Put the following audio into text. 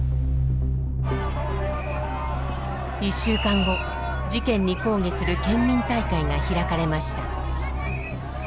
１週間後事件に抗議する県民大会が開かれました。